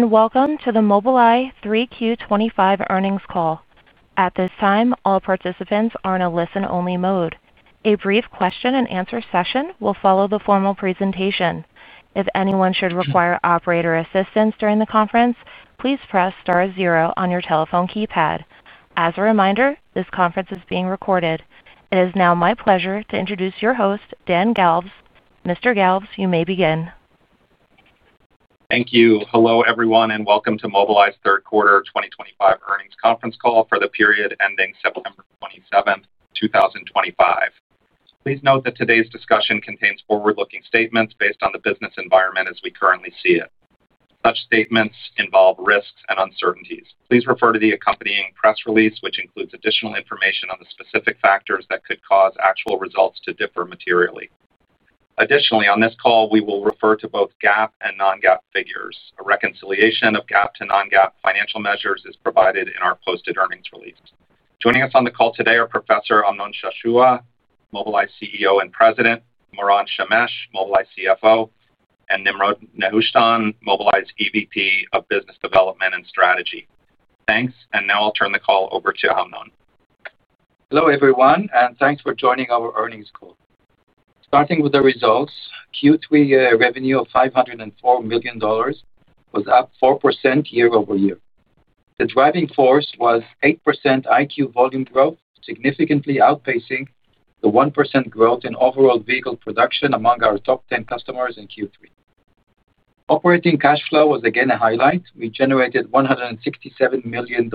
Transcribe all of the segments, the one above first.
Welcome to the Mobileye 3Q 2025 earnings call. At this time, all participants are in a listen-only mode. A brief question and answer session will follow the formal presentation. If anyone should require operator assistance during the conference, please press star zero on your telephone keypad. As a reminder, this conference is being recorded. It is now my pleasure to introduce your host, Dan Galves. Mr. Galves, you may begin. Thank you. Hello, everyone, and welcome to Mobileye's third quarter 2025 earnings conference call for the period ending September 27, 2025. Please note that today's discussion contains forward-looking statements based on the business environment as we currently see it. Such statements involve risks and uncertainties. Please refer to the accompanying press release, which includes additional information on the specific factors that could cause actual results to differ materially. Additionally, on this call, we will refer to both GAAP and non-GAAP figures. A reconciliation of GAAP to non-GAAP financial measures is provided in our posted earnings release. Joining us on the call today are Prof. Amnon Shashua, Mobileye's CEO and President; Moran Shemesh, Mobileye's CFO; and Nimrod Nehushtan, Mobileye's EVP of Business Development and Strategy. Thanks, and now I'll turn the call over to Amnon. Hello, everyone, and thanks for joining our earnings call. Starting with the results, Q3 revenue of $504 million was up 4% year-over-year. The driving force was 8% EyeQ volume growth, significantly outpacing the 1% growth in overall vehicle production among our top 10 customers in Q3. Operating cash flow was again a highlight. We generated $167 million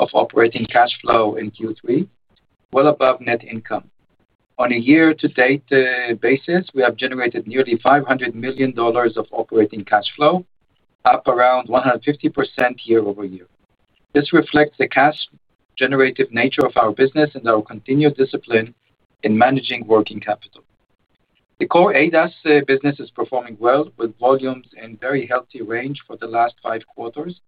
of operating cash flow in Q3, well above net income. On a year-to-date basis, we have generated nearly $500 million of operating cash flow, up around 150% year-over-year. This reflects the cash-generative nature of our business and our continued discipline in managing working capital. The core ADAS business is performing well, with volumes in a very healthy range for the last five quarters,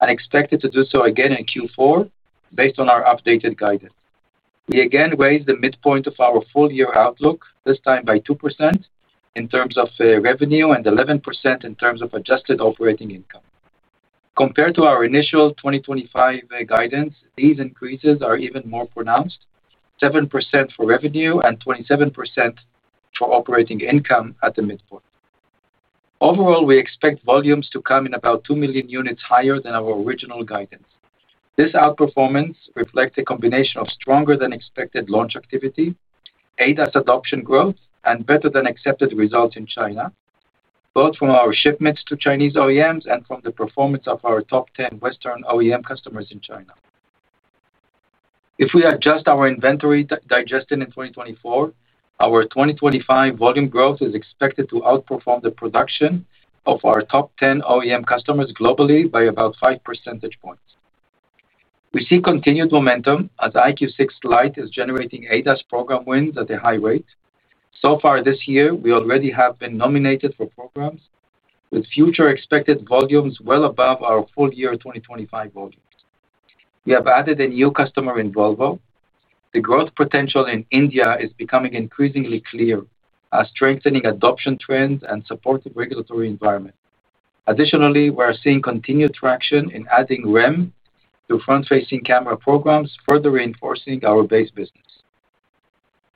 and expected to do so again in Q4 based on our updated guidance. We again raised the midpoint of our full-year outlook, this time by 2% in terms of revenue and 11% in terms of adjusted operating income. Compared to our initial 2025 guidance, these increases are even more pronounced: 7% for revenue and 27% for operating income at the midpoint. Overall, we expect volumes to come in about 2 million units higher than our original guidance. This outperformance reflects a combination of stronger than expected launch activity, ADAS adoption growth, and better than expected results in China, both from our shipments to Chinese OEMs and from the performance of our top 10 Western OEM customers in China. If we adjust our inventory digestion in 2024, our 2025 volume growth is expected to outperform the production of our top 10 OEM customers globally by about 5 percentage points. We see continued momentum as EyeQ6 Lite is generating ADAS program wins at a high rate. So far this year, we already have been nominated for programs, with future expected volumes well above our full-year 2025 volumes. We have added a new customer in Volvo. The growth potential in India is becoming increasingly clear as strengthening adoption trends and supportive regulatory environment. Additionally, we are seeing continued traction in adding REM to front-facing camera programs, further reinforcing our base business.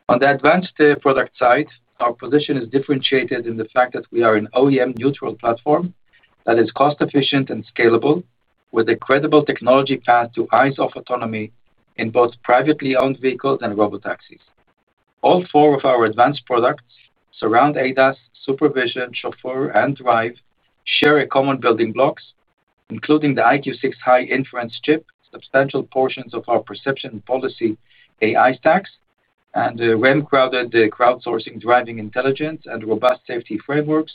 On the advanced product side, our position is differentiated in the fact that we are an OEM-neutral platform that is cost-efficient and scalable, with a credible technology path to eyes-off autonomy in both privately owned vehicles and robotaxis. All four of our advanced products, Surround ADAS, SuperVision, Chauffeur, and Drive, share common building blocks, including the EyeQ6 High-inference chip, substantial portions of our perception and policy AI stacks, the REM-crowdsourcing driving intelligence and robust safety frameworks,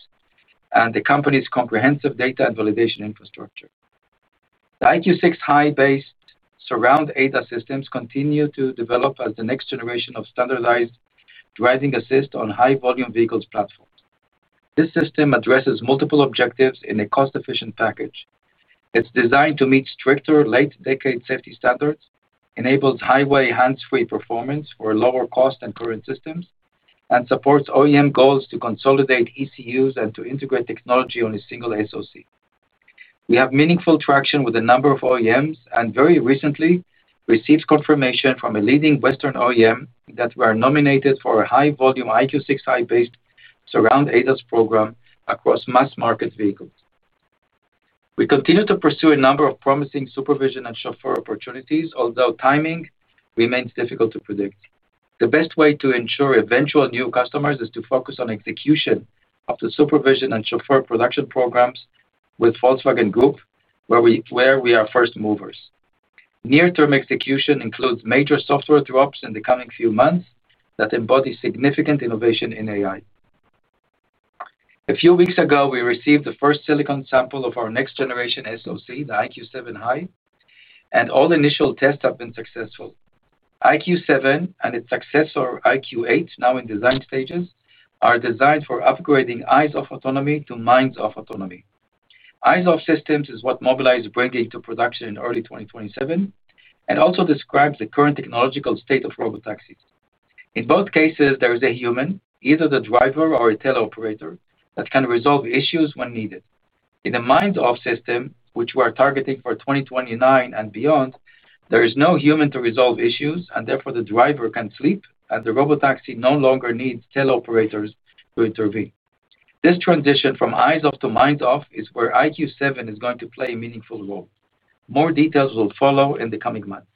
and the company's comprehensive data and validation infrastructure. The EyeQ6 High-based Surround ADAS systems continue to develop as the next generation of standardized driving assist on high-volume vehicle platforms. This system addresses multiple objectives in a cost-efficient package. It's designed to meet stricter late-decade safety standards, enables highway hands-free performance for lower cost than current systems, and supports OEM goals to consolidate ECUs and to integrate technology on a single SoC. We have meaningful traction with a number of OEMs and very recently received confirmation from a leading Western OEM that we are nominated for a high-volume EyeQ6 High-based Surround ADAS program across mass-market vehicles. We continue to pursue a number of promising SuperVision and Chauffeur opportunities, although timing remains difficult to predict. The best way to ensure eventual new customers is to focus on execution of the SuperVision and Chauffeur production programs with Volkswagen Group, where we are first movers. Near-term execution includes major software drops in the coming few months that embody significant innovation in AI. A few weeks ago, we received the first silicon sample of our next-generation SoC, the EyeQ7 High, and all initial tests have been successful. EyeQ7 and its successor EyeQ8, now in design stages, are designed for upgrading eyes-off autonomy to minds-off autonomy. Eyes-off systems is what Mobileye is bringing to production in early 2027 and also describes the current technological state of robotaxis. In both cases, there is a human, either the driver or a teleoperator, that can resolve issues when needed. In the minds-off system, which we are targeting for 2029 and beyond, there is no human to resolve issues, and therefore the driver can sleep, and the robotaxi no longer needs teleoperators to intervene. This transition from eyes-off to minds-off is where EyeQ7 is going to play a meaningful role. More details will follow in the coming months.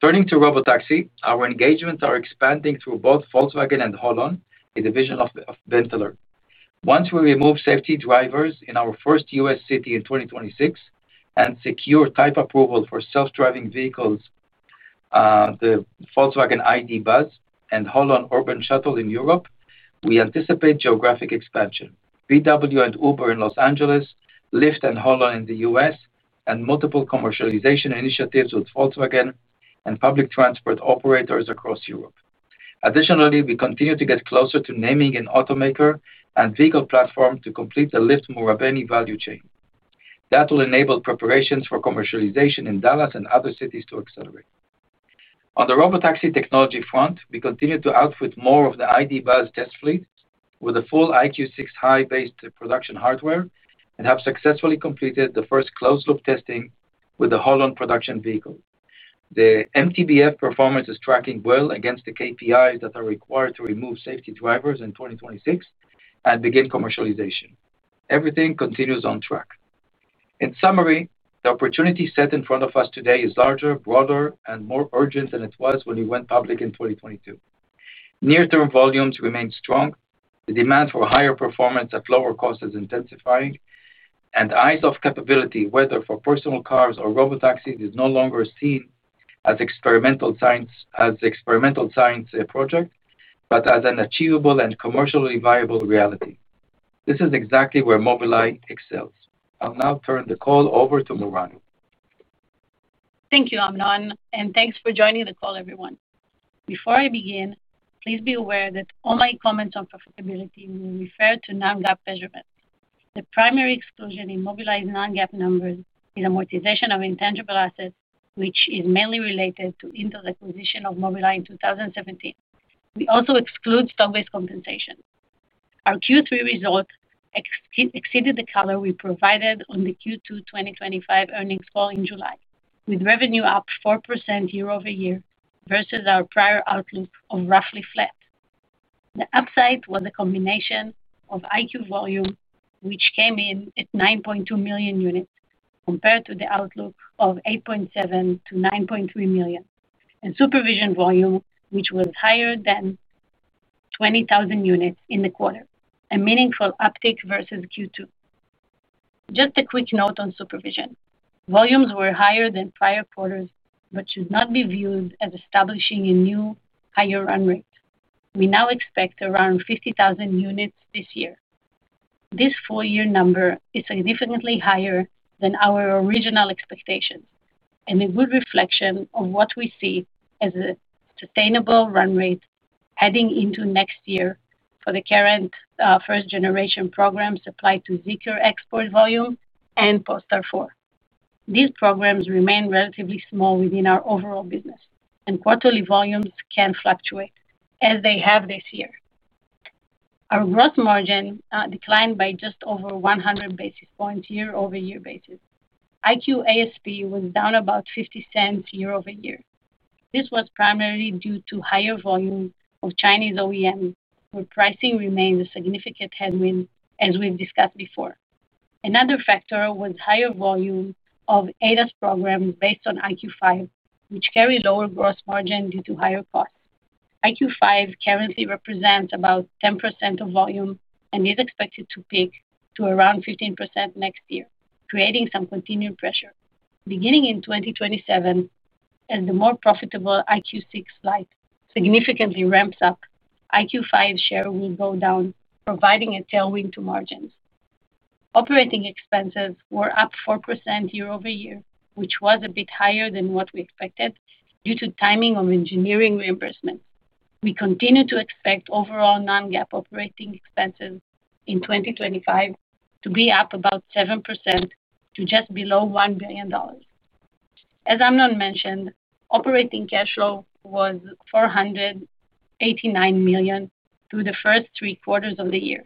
Turning to robotaxi, our engagements are expanding through both Volkswagen and Holland, a division of BENTELER. Once we remove safety drivers in our first U.S. city in 2026 and secure type approval for self-driving vehicles, the Volkswagen ID. Buzz and Holland Urban Shuttle in Europe, we anticipate geographic expansion. VW and Uber in Los Angeles, Lyft and Holland in the U.S., and multiple commercialization initiatives with Volkswagen and public transport operators across Europe. Additionally, we continue to get closer to naming an automaker and vehicle platform to complete the Lyft-Marubeni value chain. That will enable preparations for commercialization in Dallas and other cities to accelerate. On the robotaxi technology front, we continue to output more of the ID. Buzz test fleet with a full EyeQ6 High-based production hardware and have successfully completed the first closed-loop testing with the Holland production vehicle. The MTBF performance is tracking well against the KPIs that are required to remove safety drivers in 2026 and begin commercialization. Everything continues on track. In summary, the opportunity set in front of us today is larger, broader, and more urgent than it was when we went public in 2022. Near-term volumes remain strong, the demand for higher performance at lower costs is intensifying, and eyes-off capability, whether for personal cars or robotaxis, is no longer seen as an experimental science project, but as an achievable and commercially viable reality. This is exactly where Mobileye excels. I'll now turn the call over to Moran. Thank you, Amnon, and thanks for joining the call, everyone. Before I begin, please be aware that all my comments on profitability will refer to non-GAAP measurements. The primary exclusion in Mobileye's non-GAAP numbers is amortization of intangible assets, which is mainly related to Intel's acquisition of Mobileye in 2017. We also exclude stock-based compensation. Our Q3 results exceeded the color we provided on the Q2 2025 earnings call in July, with revenue up 4% year-over-year versus our prior outlook of roughly flat. The upside was a combination of EyeQ volume, which came in at 9.2 million units compared to the outlook of 8.7 million-9.3 million, and SuperVision volume, which was higher than 20,000 units in the quarter, a meaningful uptick versus Q2. Just a quick note on SuperVision. Volumes were higher than prior quarters, but should not be viewed as establishing a new higher run rate. We now expect around 50,000 units this year. This full-year number is significantly higher than our original expectations and a good reflection of what we see as a sustainable run rate heading into next year for the current first-generation programs applied to export volume and [Post R4]. These programs remain relatively small within our overall business, and quarterly volumes can fluctuate, as they have this year. Our gross margin declined by just over 100 basis points on a year-over-year basis. EyeQ ASP was down about $0.50 year-over-year. This was primarily due to higher volume of Chinese OEMs, where pricing remains a significant headwind, as we've discussed before. Another factor was higher volume of ADAS programs based on EyeQ5, which carry lower gross margin due to higher costs. EyeQ5 currently represents about 10% of volume and is expected to peak to around 15% next year, creating some continued pressure. Beginning in 2027, as the more profitable EyeQ6 Lite significantly ramps up, EyeQ5's share will go down, providing a tailwind to margins. Operating expenses were up 4% year-over-year, which was a bit higher than what we expected due to timing of engineering reimbursements. We continue to expect overall non-GAAP operating expenses in 2025 to be up about 7% to just below $1 billion. As Amnon mentioned, operating cash flow was $489 million through the first three quarters of the year.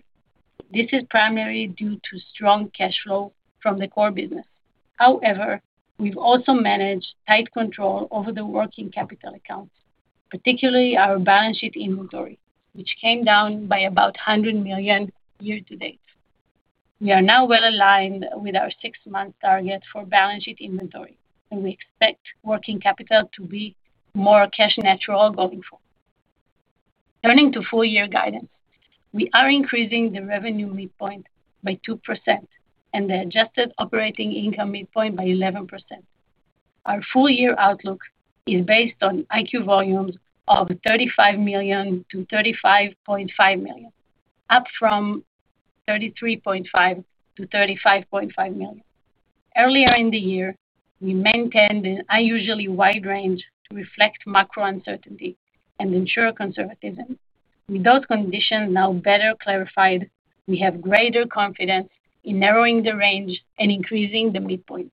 This is primarily due to strong cash flow from the core business. However, we've also managed tight control over the working capital accounts, particularly our balance sheet inventory, which came down by about $100 million year to date. We are now well-aligned with our six-month target for balance sheet inventory, and we expect working capital to be more cash neutral going forward. Turning to full-year guidance, we are increasing the revenue midpoint by 2% and the adjusted operating income midpoint by 11%. Our full-year outlook is based on EyeQ volumes of 35 million-35.5 million, up from 33.5 million-35.5 million. Earlier in the year, we maintained an unusually wide range to reflect macro uncertainty and ensure conservatism. With those conditions now better clarified, we have greater confidence in narrowing the range and increasing the midpoint.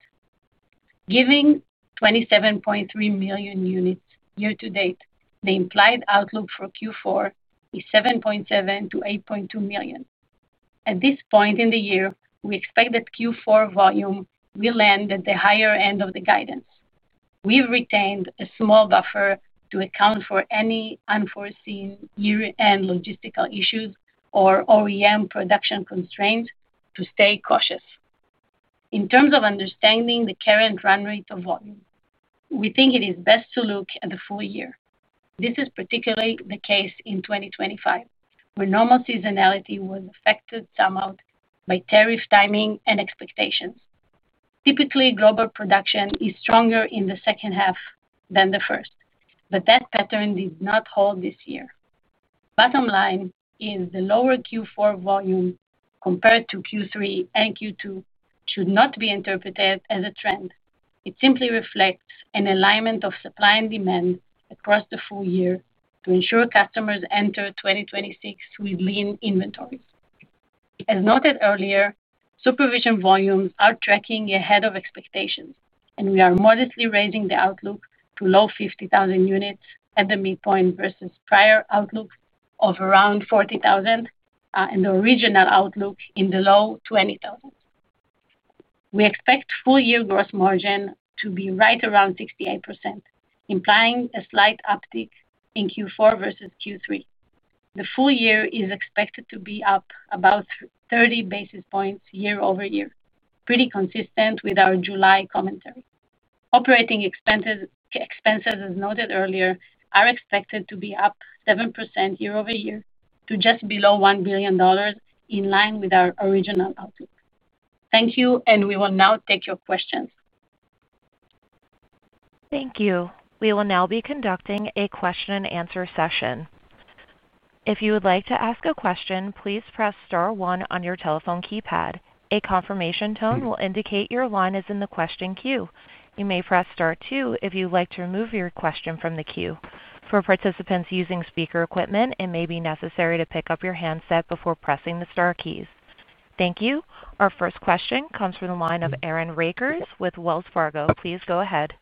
Given 27.3 million units year to date, the implied outlook for Q4 is 7.7 million-8.2 million. At this point in the year, we expect that Q4 volume will end at the higher end of the guidance. We've retained a small buffer to account for any unforeseen year-end logistical issues or OEM production constraints to stay cautious. In terms of understanding the current run rate of volume, we think it is best to look at the full year. This is particularly the case in 2025, where normal seasonality was affected somewhat by tariff timing and expectations. Typically, global production is stronger in the second half than the first, but that pattern did not hold this year. The bottom line is the lower Q4 volume compared to Q3 and Q2 should not be interpreted as a trend. It simply reflects an alignment of supply and demand across the full year to ensure customers enter 2026 with lean inventories. As noted earlier, SuperVision volumes are tracking ahead of expectations, and we are modestly raising the outlook to low 50,000 units at the midpoint versus prior outlooks of around 40,000 and the original outlook in the low 20,000. We expect full-year gross margin to be right around 68%, implying a slight uptick in Q4 versus Q3. The full year is expected to be up about 30 basis points year-over-year, pretty consistent with our July commentary. Operating expenses, as noted earlier, are expected to be up 7% year-over-year to just below $1 billion, in line with our original outlook. Thank you, and we will now take your questions. Thank you. We will now be conducting a question and answer session. If you would like to ask a question, please press star one on your telephone keypad. A confirmation tone will indicate your line is in the question queue. You may press star two if you would like to remove your question from the queue. For participants using speaker equipment, it may be necessary to pick up your handset before pressing the star keys. Thank you. Our first question comes from the line of Aaron Rakers with Wells Fargo. Please go ahead.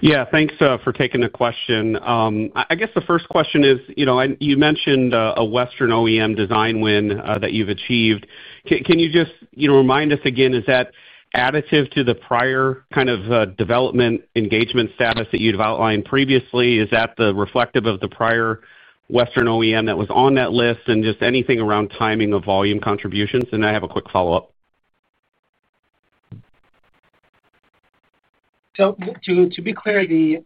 Yeah, thanks for taking the question. I guess the first question is, you know, you mentioned a Western OEM design win that you've achieved. Can you just remind us again, is that additive to the prior kind of development engagement status that you've outlined previously? Is that reflective of the prior Western OEM that was on that list, and just anything around timing of volume contributions? I have a quick follow-up. To be clear, the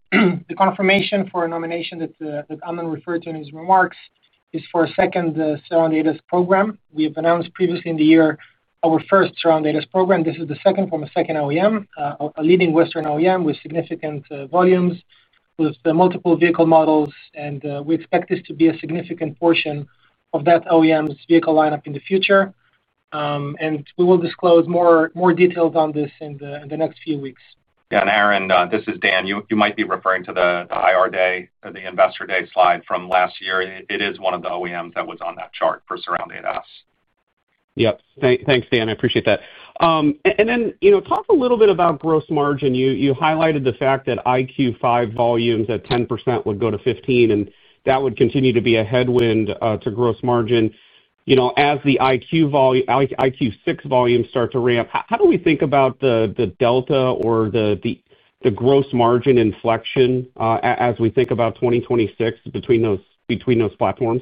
confirmation for a nomination that Amnon referred to in his remarks is for a second Surround ADAS program. We have announced previously in the year our first Surround ADAS program. This is the second from a second OEM, a leading Western OEM with significant volumes, with multiple vehicle models. We expect this to be a significant portion of that OEM's vehicle lineup in the future, and we will disclose more details on this in the next few weeks. Yeah, Aaron, this is Dan. You might be referring to the IR Day or the Investor Day slide from last year. It is one of the OEMs that was on that chart for Surround ADAS. Yep. Thanks, Dan. I appreciate that. You know, talk a little bit about gross margin. You highlighted the fact that EyeQ5 volumes at 10% would go to 15%, and that would continue to be a headwind to gross margin. You know, as the EyeQ6 volumes start to ramp, how do we think about the delta or the gross margin inflection as we think about 2026 between those platforms?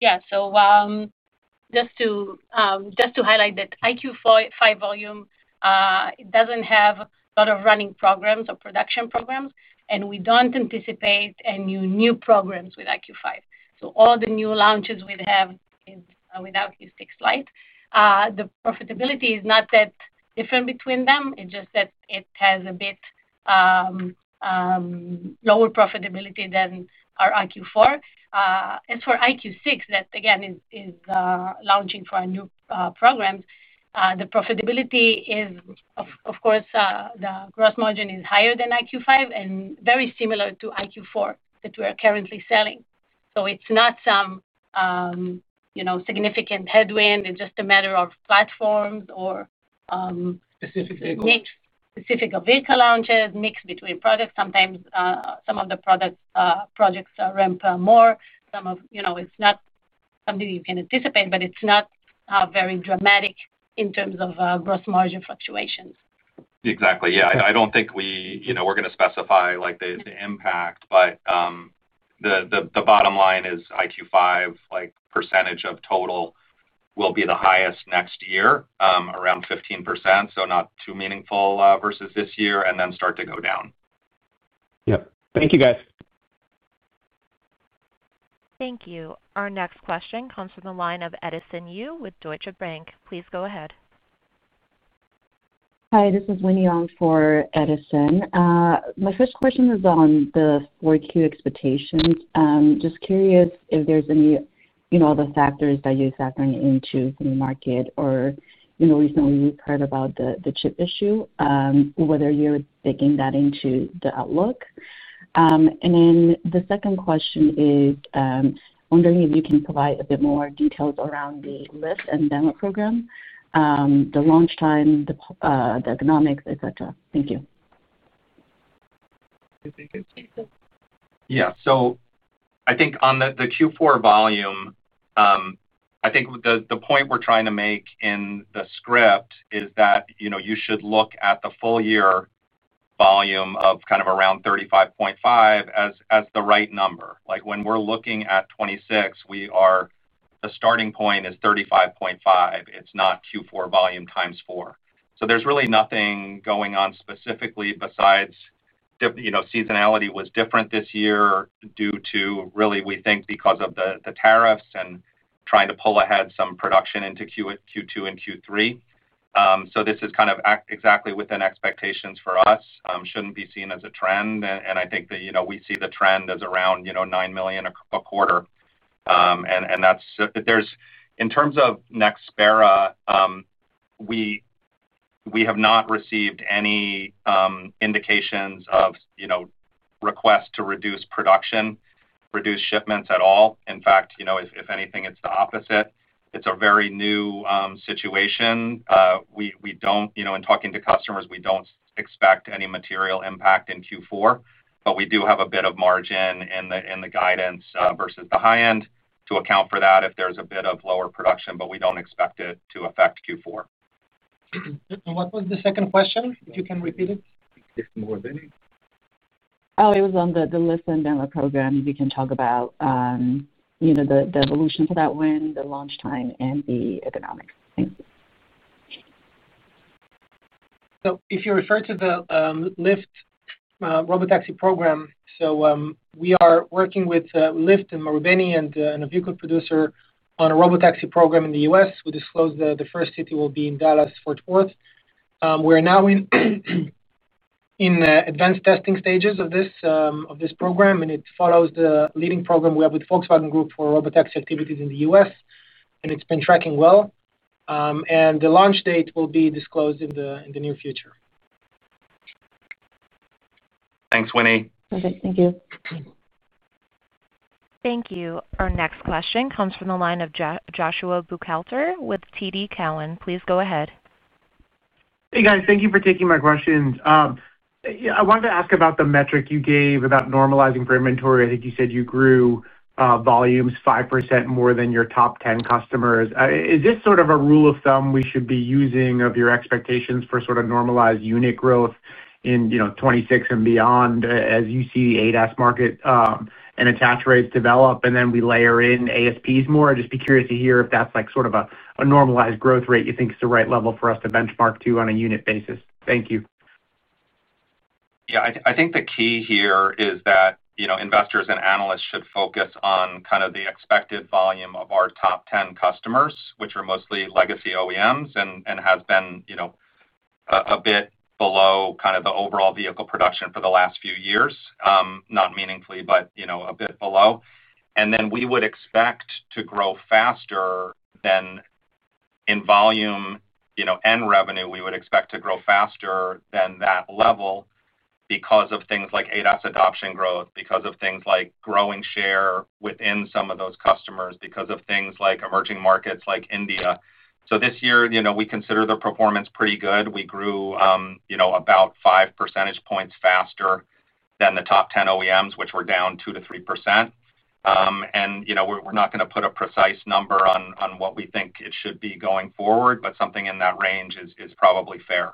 Yeah, just to highlight that EyeQ5 volume doesn't have a lot of running programs or production programs, and we don't anticipate any new programs with EyeQ5. All the new launches we'd have are with EyeQ6 Lite. The profitability is not that different between them. It's just that it has a bit lower profitability than our EyeQ4. As for EyeQ6, that again is launching for our new programs, the profitability is, of course, the gross margin is higher than EyeQ5 and very similar to EyeQ4 that we are currently selling. It's not some significant headwind. It's just a matter of platforms or. Specific vehicles. Specific vehicle launches, mix between products. Sometimes some of the products ramp more. It's not something you can anticipate, but it's not very dramatic in terms of gross margin fluctuations. Exactly. Yeah, I don't think we, you know, we're going to specify the impact, but the bottom line is EyeQ5's percentage of total will be the highest next year, around 15%, so not too meaningful versus this year, and then start to go down. Yep. Thank you, guys. Thank you. Our next question comes from the line of Edison Yu with Deutsche Bank. Please go ahead. Hi, this is Winnie Dong for Edison. My first question is on the 4Q expectations. I'm just curious if there's any other factors that you're factoring into in the market or, you know, recently we've heard about the chip issue, whether you're taking that into the outlook. The second question is, wondering if you can provide a bit more details around the list and demo program, the launch time, the economics, etc. Thank you. Yeah, I think on the Q4 volume, the point we're trying to make in the script is that you should look at the full-year volume of kind of around 35.5 million as the right number. When we're looking at 2026, the starting point is 35.5 million. It's not Q4 volume times four. There's really nothing going on specifically besides, you know, seasonality was different this year due to, really, we think, because of the tariffs and trying to pull ahead some production into Q2 and Q3. This is kind of exactly within expectations for us. It shouldn't be seen as a trend. I think that we see the trend is around 9 million a quarter. In terms of next [Spera], we have not received any indications of requests to reduce production, reduce shipments at all. In fact, if anything, it's the opposite. It's a very new situation. We don't, you know, in talking to customers, we don't expect any material impact in Q4, but we do have a bit of margin in the guidance versus the high end to account for that if there's a bit of lower production, but we don't expect it to affect Q4. What was the second question? If you can repeat it? It was on the list and demo program. If you can talk about the evolution to that win, the launch time, and the economics. Thank you. If you refer to the Lyft robotaxi program, we are working with Lyft and [inaudible] and an automotive producer on a robotaxi program in the U.S. We disclosed that the first city will be in Dallas-Fort Worth. We are now in advanced testing stages of this program, and it follows the leading program we have with Volkswagen Group for robotaxi activities in the U.S., and it's been tracking well. The launch date will be disclosed in the near future. Thanks, Winnie. Perfect. Thank you. Thank you. Our next question comes from the line of Joshua Buchalter with TD Cowen. Please go ahead. Hey, guys. Thank you for taking my questions. I wanted to ask about the metric you gave about normalizing for inventory. I think you said you grew volumes 5% more than your top 10 customers. Is this sort of a rule of thumb we should be using of your expectations for sort of normalized unit growth in, you know, 2026 and beyond as you see the ADAS market and attach rates develop, and then we layer in ASPs more? I'd just be curious to hear if that's like sort of a normalized growth rate you think is the right level for us to benchmark to on a unit basis. Thank you. I think the key here is that investors and analysts should focus on the expected volume of our top 10 customers, which are mostly legacy OEMs and has been a bit below the overall vehicle production for the last few years, not meaningfully, but a bit below. We would expect to grow faster than in volume and revenue, we would expect to grow faster than that level because of things like ADAS adoption growth, because of things like growing share within some of those customers, because of things like emerging markets like India. This year, we consider the performance pretty good. We grew about 5 percentage points faster than the top 10 OEMs, which were down 2%-3%. We're not going to put a precise number on what we think it should be going forward, but something in that range is probably fair.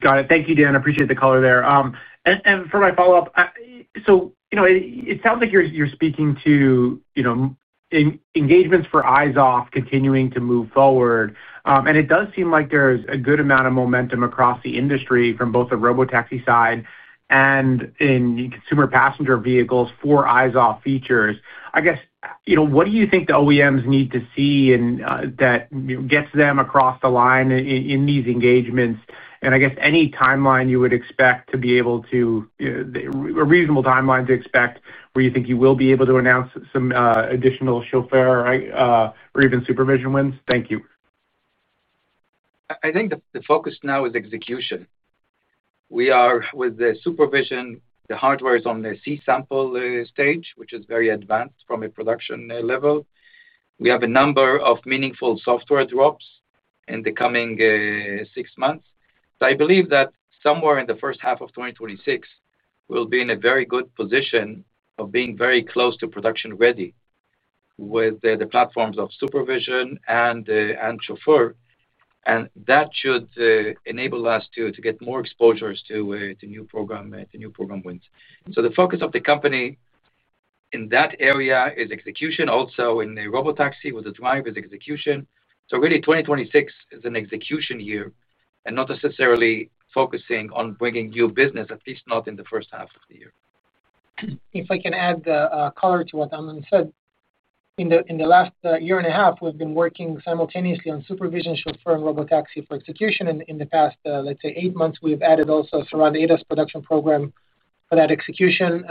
Got it. Thank you, Dan. I appreciate the color there. For my follow-up, it sounds like you're speaking to engagements for eyes-off continuing to move forward. It does seem like there's a good amount of momentum across the industry from both the robotaxi side and in consumer passenger vehicles for eyes-off features. I guess, what do you think the OEMs need to see that gets them across the line in these engagements? I guess any timeline you would expect to be able to, a reasonable timeline to expect where you think you will be able to announce some additional Chauffeur or even SuperVision wins. Thank you. I think the focus now is execution. We are with the SuperVision. The hardware is on the seed sample stage, which is very advanced from a production level. We have a number of meaningful software drops in the coming six months. I believe that somewhere in the first half of 2026, we'll be in a very good position of being very close to production ready with the platforms of SuperVision and Chauffeur. That should enable us to get more exposures to new program wins. The focus of the company in that area is execution. Also, in the robotaxi with the Drive is execution. Really, 2026 is an execution year and not necessarily focusing on bringing new business, at least not in the first half of the year. If I can add the color to what Amnon said, in the last year and a half, we've been working simultaneously on SuperVision, Chauffeur, and robotaxi for execution. In the past, let's say, eight months, we've added also a Surround ADAS production program for that execution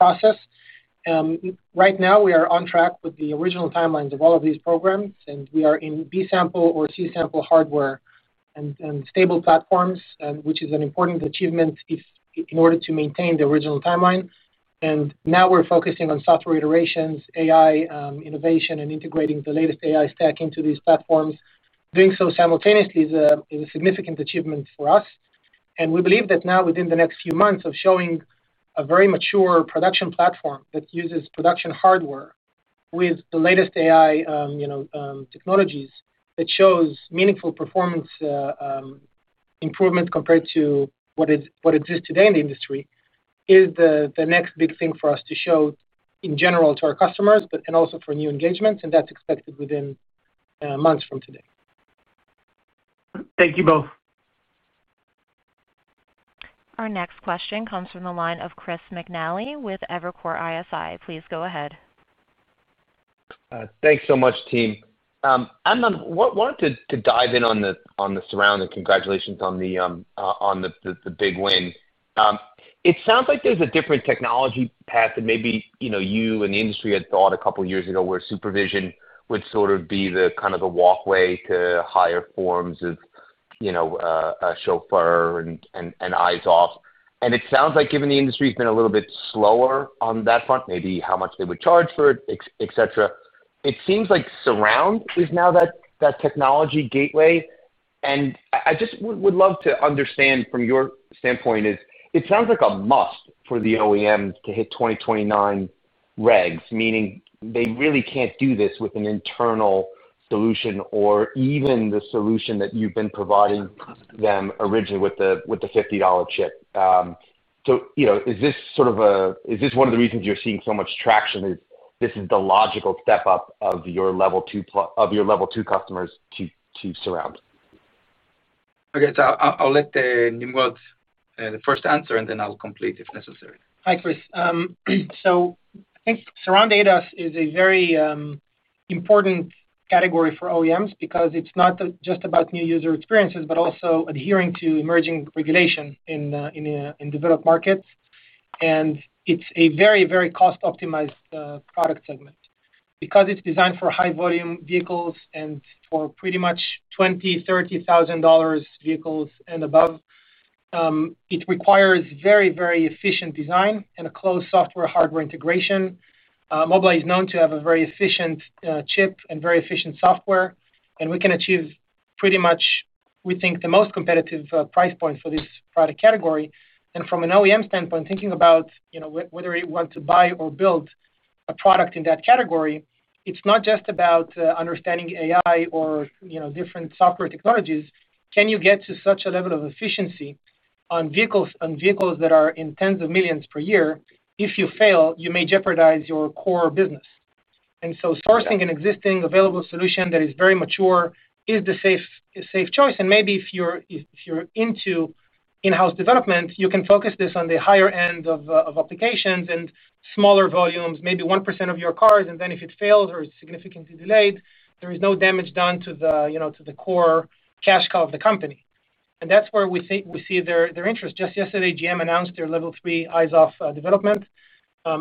process. Right now, we are on track with the original timelines of all of these programs, and we are in B sample or C sample hardware and stable platforms, which is an important achievement in order to maintain the original timeline. Now we're focusing on software iterations, AI innovation, and integrating the latest AI stack into these platforms. Doing so simultaneously is a significant achievement for us. We believe that now within the next few months of showing a very mature production platform that uses production hardware with the latest AI technologies that shows meaningful performance improvements compared to what exists today in the industry is the next big thing for us to show in general to our customers and also for new engagements. That's expected within months from today. Thank you both. Our next question comes from the line of Chris McNally with Evercore ISI. Please go ahead. Thanks so much, team. Amnon, I wanted to dive in on the Surround and congratulations on the big win. It sounds like there's a different technology path that maybe, you know, you and the industry had thought a couple of years ago where SuperVision would sort of be the kind of the walkway to higher forms of, you know, a Chauffeur and eyes-off. It sounds like given the industry has been a little bit slower on that front, maybe how much they would charge for it, etc., it seems like Surround is now that technology gateway. I just would love to understand from your standpoint, is it sounds like a must for the OEMs to hit 2029 regs, meaning they really can't do this with an internal solution or even the solution that you've been providing them originally with the $50 chip. Is this sort of a, is this one of the reasons you're seeing so much traction, is this is the logical step up of your level two customers to Surround? Okay, I'll let Nimrod answer first, and then I'll complete if necessary. Hi, Chris. I think Surround ADAS is a very important category for OEMs because it's not just about new user experiences, but also adhering to emerging regulation in developed markets. It's a very, very cost-optimized product segment because it's designed for high-volume vehicles and for pretty much $20,000, $30,000 vehicles and above. It requires very, very efficient design and a closed software-hardware integration. Mobileye is known to have a very efficient chip and very efficient software. We can achieve pretty much, we think, the most competitive price point for this product category. From an OEM standpoint, thinking about whether you want to buy or build a product in that category, it's not just about understanding AI or different software technologies. Can you get to such a level of efficiency on vehicles that are in tens of millions per year? If you fail, you may jeopardize your core business. Sourcing an existing available solution that is very mature is the safe choice. Maybe if you're into in-house development, you can focus this on the higher end of applications and smaller volumes, maybe 1% of your cars. If it fails or is significantly delayed, there is no damage done to the core cash cow of the company. That's where we see their interest. Just yesterday, GM announced their level three eyes-off development.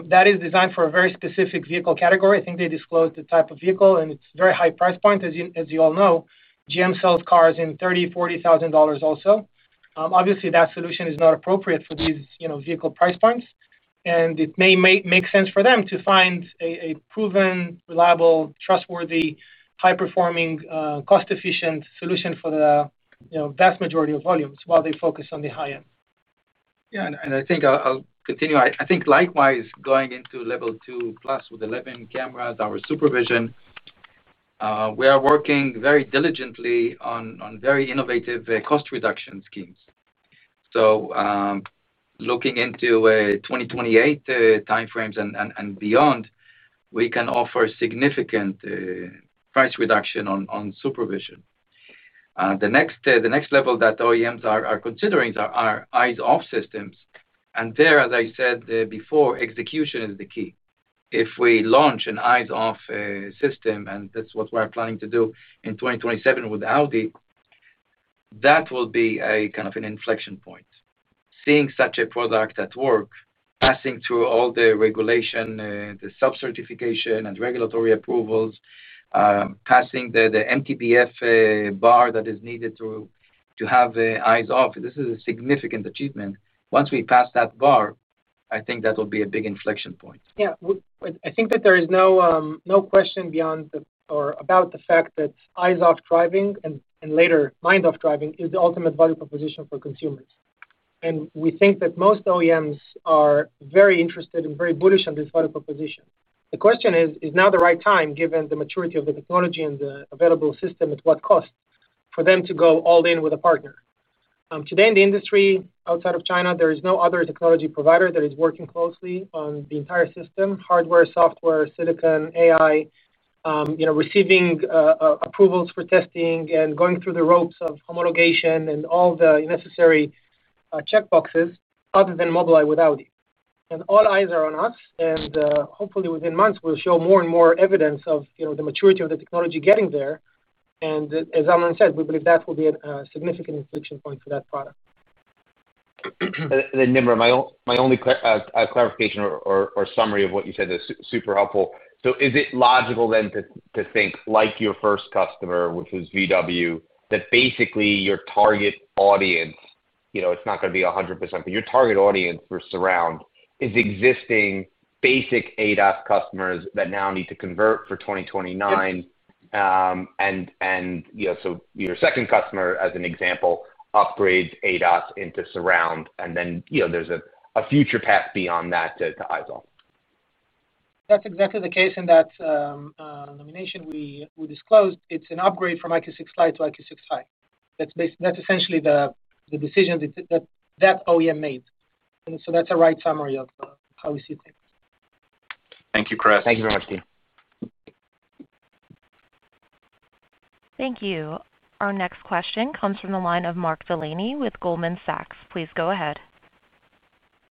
That is designed for a very specific vehicle category. I think they disclosed the type of vehicle, and it's a very high price point. As you all know, GM sells cars in $30,000, $40,000 also. Obviously, that solution is not appropriate for these vehicle price points. It may make sense for them to find a proven, reliable, trustworthy, high-performing, cost-efficient solution for the vast majority of volumes while they focus on the high end. Yeah, I think I'll continue. I think likewise, going into Level 2+ with 11 cameras, our SuperVision, we are working very diligently on very innovative cost reduction schemes. Looking into 2028 timeframes and beyond, we can offer significant price reduction on SuperVision. The next level that OEMs are considering are eyes-off systems. As I said before, execution is the key. If we launch an eyes-off system, and that's what we're planning to do in 2027 with Audi, that will be a kind of an inflection point. Seeing such a product at work, passing through all the regulation, the sub-certification, and regulatory approvals, passing the MTBF bar that is needed to have eyes-off, this is a significant achievement. Once we pass that bar, I think that will be a big inflection point. Yeah, I think that there is no question about the fact that eyes-off driving and later mind-off driving is the ultimate value proposition for consumers. We think that most OEMs are very interested and very bullish on this value proposition. The question is, is now the right time, given the maturity of the technology and the available system, at what cost for them to go all in with a partner? Today in the industry, outside of China, there is no other technology provider that is working closely on the entire system, hardware, software, silicon, AI, receiving approvals for testing and going through the ropes of homologation and all the necessary checkboxes other than Mobileye with Audi. All eyes are on us. Hopefully, within months, we'll show more and more evidence of the maturity of the technology getting there. As Amnon said, we believe that will be a significant inflection point for that product. Nimrod, my only clarification or summary of what you said is super helpful. Is it logical then to think like your first customer, which was VW, that basically your target audience, you know, it's not going to be 100%, but your target audience for Surround is existing basic ADAS customers that now need to convert for 2029? Your second customer, as an example, upgrades ADAS into Surround, and there's a future path beyond that to eyes-off. That's exactly the case in that nomination we disclosed. It's an upgrade from EyeQ6 Lite to EyeQ6 High. That's essentially the decision that that OEM made. That's a right summary of how we see things. Thank you, Chris. Thank you very much, team. Thank you. Our next question comes from the line of Mark Delaney with Goldman Sachs. Please go ahead.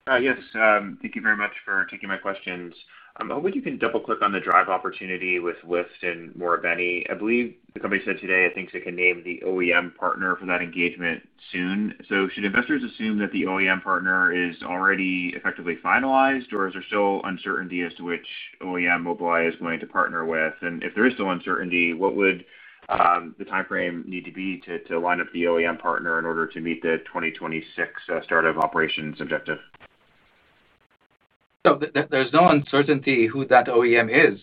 Yes. Thank you very much for taking my questions. I'm hoping you can double-click on the Drive opportunity with Lyft and. [inaudible] I believe the company said today, I think, they can name the OEM partner for that engagement soon. Should investors assume that the OEM partner is already effectively finalized, or is there still uncertainty as to which OEM Mobileye is going to partner with? If there is still uncertainty, what would the timeframe need to be to line up the OEM partner in order to meet the 2026 start-up operations objective? There is no uncertainty who that OEM is,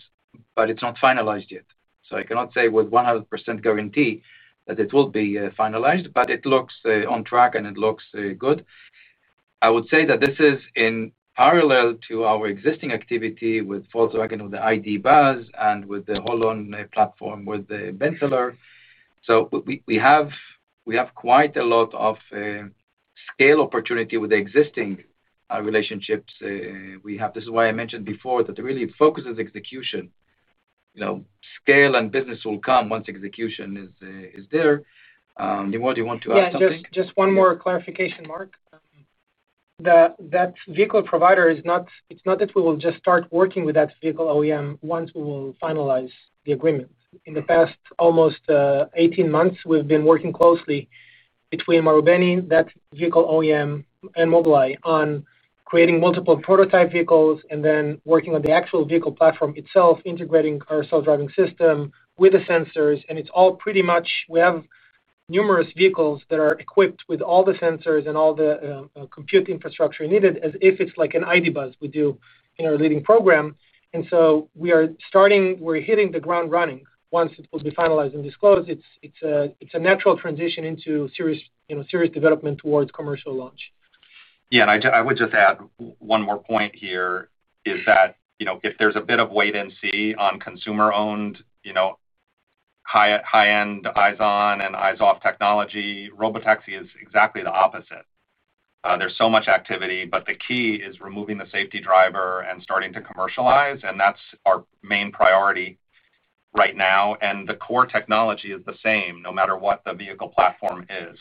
but it's not finalized yet. I cannot say with 100% guarantee that it will be finalized, but it looks on track and it looks good. I would say that this is in parallel to our existing activity with Volkswagen with the ID. Buzz and with the Holland platform with BENTELER. We have quite a lot of scale opportunity with the existing relationships we have. This is why I mentioned before that it really focuses execution. Scale and business will come once execution is there. Nimrod, you want to add something? Just one more clarification, Mark. That vehicle provider is not, it's not that we will just start working with that vehicle OEM once we will finalize the agreement. In the past almost 18 months, we've been working closely between, [inaudible] that vehicle OEM, and Mobileye on creating multiple prototype vehicles and then working on the actual vehicle platform itself, integrating our self-driving system with the sensors. It's all pretty much, we have numerous vehicles that are equipped with all the sensors and all the compute infrastructure needed as if it's like an ID. Buzz we do in our leading program. We are starting, we're hitting the ground running once it will be finalized and disclosed. It's a natural transition into serious development towards commercial launch. Yeah, I would just add one more point here. If there's a bit of wait-and-see on consumer-owned, high-end eyes-on and eyes-off technology, robotaxi is exactly the opposite. There's so much activity, but the key is removing the safety driver and starting to commercialize. That's our main priority right now. The core technology is the same no matter what the vehicle platform is.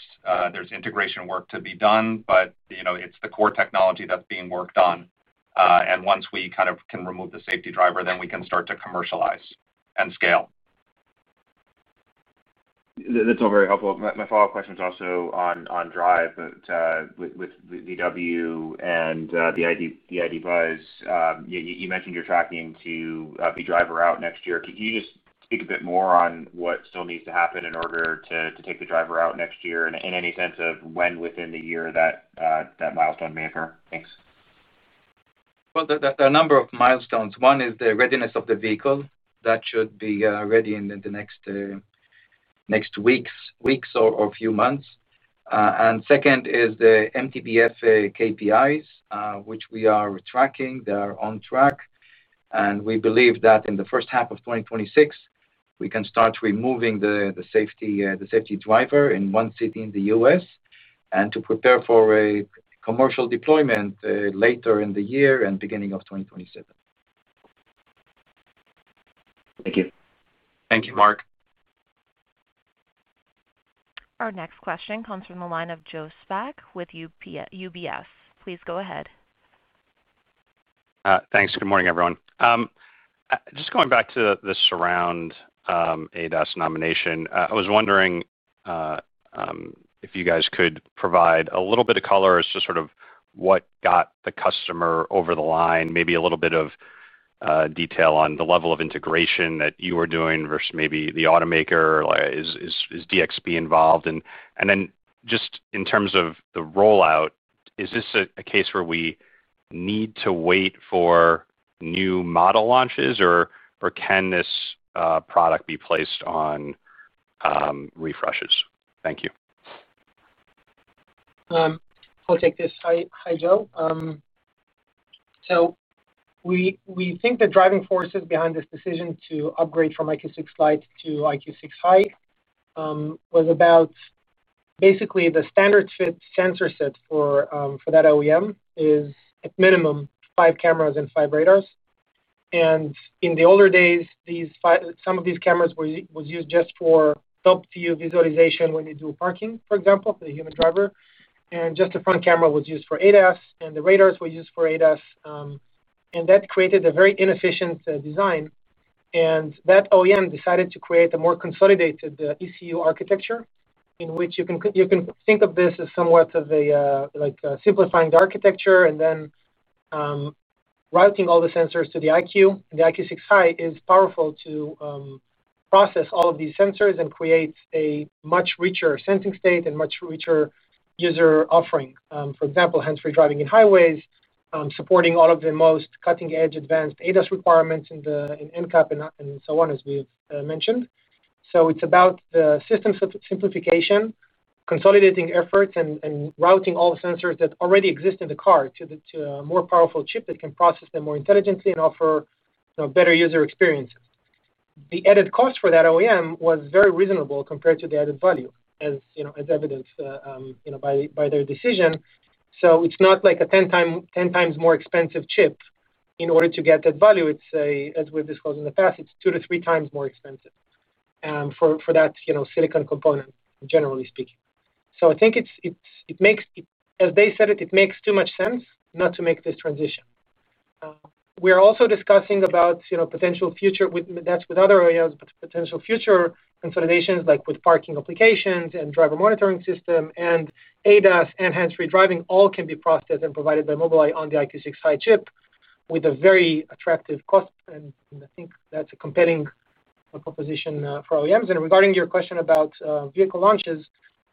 There's integration work to be done, but it's the core technology that's being worked on. Once we can remove the safety driver, we can start to commercialize and scale. That's all very helpful. My follow-up question is also on Drive, but with VW and the ID. Buzz, you mentioned you're tracking to be driver out next year. Can you just speak a bit more on what still needs to happen in order to take the driver out next year, and any sense of when within the year that that milestone may occur? Thanks. There are a number of milestones. One is the readiness of the vehicle. That should be ready in the next weeks or a few months. Second is the MTBF KPIs, which we are tracking. They are on track. We believe that in the first half of 2026, we can start removing the safety driver in one city in the U.S. and prepare for a commercial deployment later in the year and beginning of 2027. Thank you. Thank you, Mark. Our next question comes from the line of Joe Spak with UBS. Please go ahead. Thanks. Good morning, everyone. Just going back to the Surround ADAS nomination, I was wondering if you guys could provide a little bit of color as to sort of what got the customer over the line, maybe a little bit of detail on the level of integration that you are doing versus maybe the automaker, is DXP involved? In terms of the rollout, is this a case where we need to wait for new model launches, or can this product be placed on refreshes? Thank you. I'll take this. Hi, Joe. We think the driving forces behind this decision to upgrade from EyeQ6 Lite to EyeQ6 High was about basically the standard fit sensor set for that OEM is at minimum five cameras and five radars. In the older days, some of these cameras were used just for top-view visualization when you do parking, for example, for the human driver. Just the front camera was used for ADAS, and the radars were used for ADAS. That created a very inefficient design. That OEM decided to create a more consolidated ECU architecture in which you can think of this as somewhat of a simplifying the architecture and then routing all the sensors to the EyeQ. The EyeQ6 High is powerful to process all of these sensors and create a much richer sensing state and much richer user offering. For example, hands-free driving in highways, supporting all of the most cutting-edge advanced ADAS requirements in NCAP and so on, as we have mentioned. It's about the system simplification, consolidating efforts, and routing all the sensors that already exist in the car to a more powerful chip that can process them more intelligently and offer better user experiences. The added cost for that OEM was very reasonable compared to the added value, as evident by their decision. It's not like a 10x more expensive chip. In order to get that value, as we've disclosed in the past, it's 2x-3x more expensive for that silicon component, generally speaking. I think it makes, as they said it, it makes too much sense not to make this transition. We are also discussing potential future, that's with other OEMs, but potential future consolidations like with parking applications and driver monitoring system and ADAS and hands-free driving all can be processed and provided by Mobileye on the EyeQ6 High chip with a very attractive cost. I think that's a compelling proposition for OEMs. Regarding your question about vehicle launches,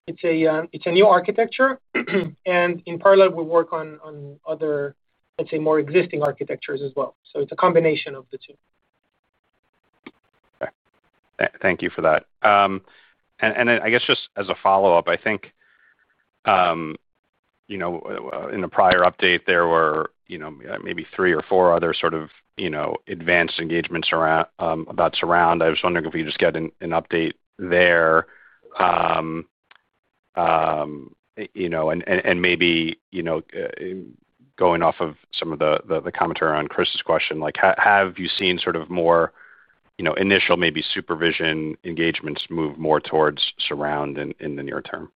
it's a new architecture. In parallel, we work on other, let's say, more existing architectures as well. It's a combination of the two. Thank you for that. I guess just as a follow-up, I think in the prior update, there were maybe three or four other sort of advanced engagements around Surround. I was wondering if we could just get an update there, and maybe going off of some of the commentary on Chris' question, like have you seen more initial maybe SuperVision engagements move more towards Surround in the near-term?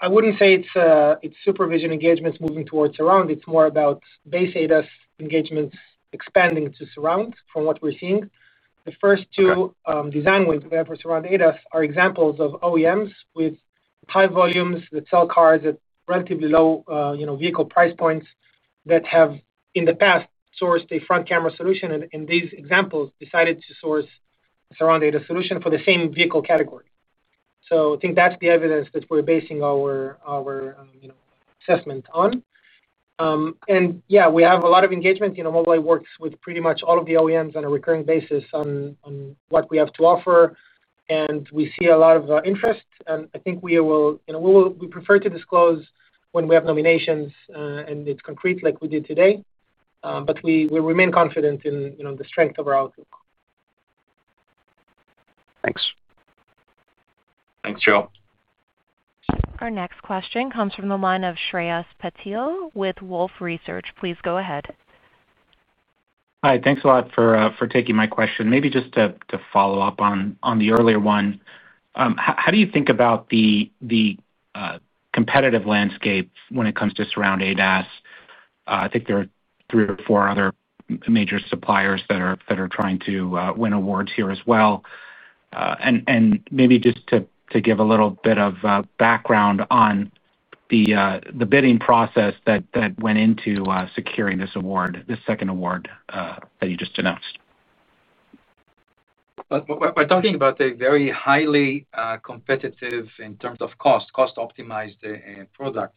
I wouldn't say it's SuperVision engagements moving towards Surround. It's more about Base ADAS engagements expanding to Surround from what we're seeing. The first two design wins we have for Surround ADAS are examples of OEMs with high volumes that sell cars at relatively low, you know, vehicle price points that have in the past sourced a front camera solution and in these examples decided to source a Surround ADAS solution for the same vehicle category. I think that's the evidence that we're basing our, you know, assessment on. Yeah, we have a lot of engagement. Mobileye works with pretty much all of the OEMs on a recurring basis on what we have to offer. We see a lot of interest. I think we will, you know, we prefer to disclose when we have nominations and it's concrete like we did today. We remain confident in, you know, the strength of our outlook. Thanks. Thanks, Joe. Our next question comes from the line of Shreyas Patil with Wolfe Research. Please go ahead. Hi, thanks a lot for taking my question. Maybe just to follow up on the earlier one. How do you think about the competitive landscape when it comes to Surround ADAS? I think there are three or four other major suppliers that are trying to win awards here as well. Maybe just to give a little bit of background on the bidding process that went into securing this award, this second award that you just announced. We're talking about a very highly competitive, in terms of cost, cost-optimized product.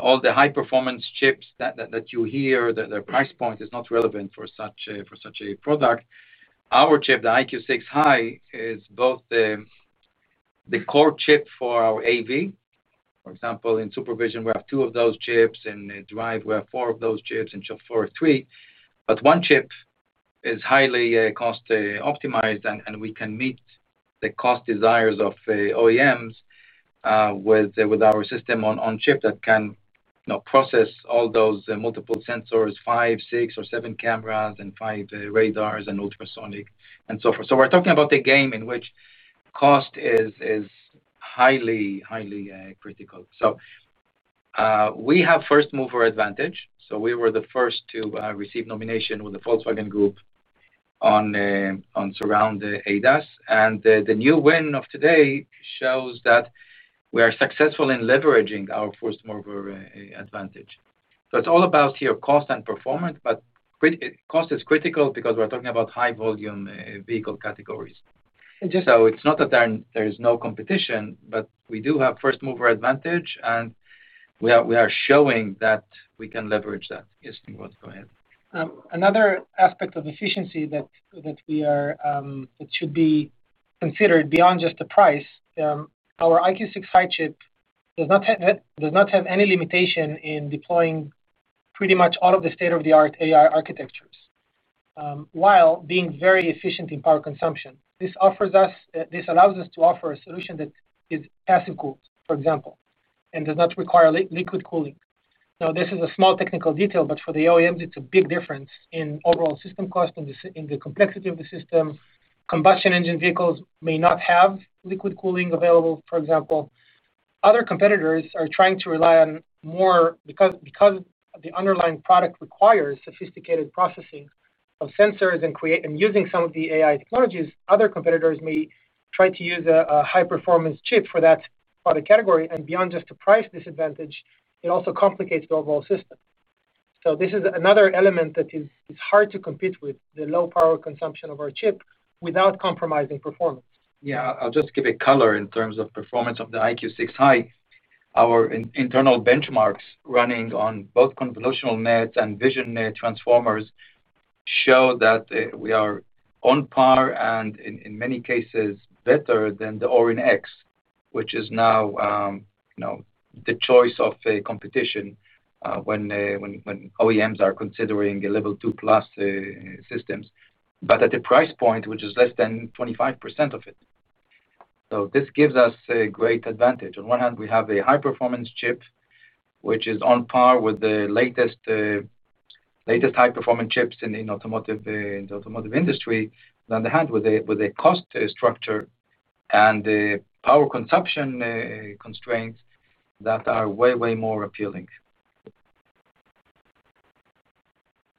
All the high-performance chips that you hear, the price point is not relevant for such a product. Our chip, the EyeQ6 High, is both the core chip for our AV. For example, in SuperVision, we have two of those chips. In Drive, we have four of those chips, and Chauffeur, four or three. One chip is highly cost-optimized, and we can meet the cost desires of OEMs with our system on chip that can process all those multiple sensors, five, six, or seven cameras, and five radars and ultrasonic, and so forth. We're talking about a game in which cost is highly, highly critical. We have first mover advantage. We were the first to receive nomination with the Volkswagen Group on Surround ADAS. The new win of today shows that we are successful in leveraging our first mover advantage. It's all about here cost and performance, but cost is critical because we're talking about high-volume vehicle categories. It's not that there is no competition, but we do have first mover advantage, and we are showing that we can leverage that. Yes, Nimrod, go ahead. Another aspect of efficiency that should be considered beyond just the price, our EyeQ6 High chip does not have any limitation in deploying pretty much all of the state-of-the-art AI architectures, while being very efficient in power consumption. This allows us to offer a solution that is passive cooled, for example, and does not require liquid cooling. This is a small technical detail, but for the OEMs, it's a big difference in overall system cost and the complexity of the system. Combustion engine vehicles may not have liquid cooling available, for example. Other competitors are trying to rely on more because the underlying product requires sophisticated processing of sensors and using some of the AI technologies. Other competitors may try to use a high-performance chip for that product category. Beyond just the price disadvantage, it also complicates the overall system. This is another element that is hard to compete with, the low power consumption of our chip without compromising performance. Yeah, I'll just give a color in terms of performance of the EyeQ6 High. Our internal benchmarks running on both convolutional nets and vision net transformers show that we are on par and in many cases better than the Orin-X, which is now, you know, the choice of competition when OEMs are considering Level 2+ systems, at a price point which is less than 25% of it. This gives us a great advantage. On one hand, we have a high-performance chip, which is on par with the latest high-performance chips in the automotive industry. On the other hand, with a cost structure and power consumption constraints that are way, way more appealing.